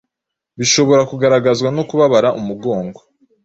bishobora kugaragazwa no kubabara umugongo